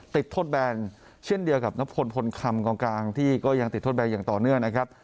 ติดโทษแบนเช่นเดียวกับนพลพลคำกองกลางที่ก็ยังติดโทษแบนอย่างต่อเนื่องนะครับ